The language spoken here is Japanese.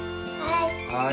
はい。